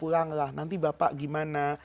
pulanglah nanti bapak gimana